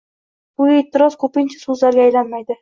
Bu e’tiroz ko‘pincha so‘zlarga aylanmaydi